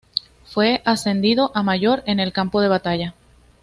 Fue ascendido a mayor, en el campo de batalla.